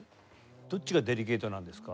どっちがデリケートなんですか？